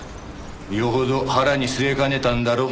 よほど腹に据えかねたんだろう。